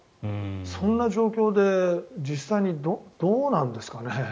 そんな状況で実際にどうなんですかね。